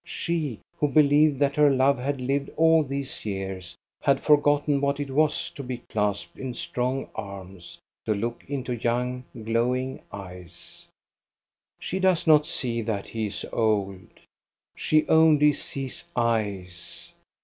She, who believed that her love had lived all these years, had forgotten what it was to be clasped in strong arms, to look into ung, glowing eyes. She does not see that he is old. She only sees eyes.